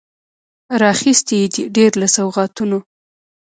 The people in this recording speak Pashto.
راخیستي یې دي، ډیر له سوغاتونو